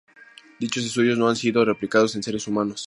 Dichos estudios no han sido replicados en seres humanos.